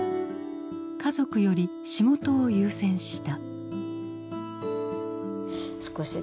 家族より仕事を優先した。